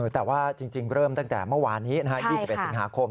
แต่ว่าจริงเริ่มตั้งแต่เมื่อวานนี้๒๑สิงหาคม